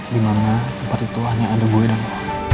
di mana tempat itu hanya ada gue dan lo